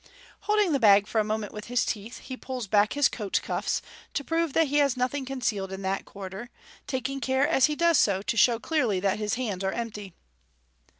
Holding the bag for a moment with his teeth, he pulls back his coat cuffs, to prove that he has nothing concealed in that quarter, taking care as he does so to show clearly that his hands are empty.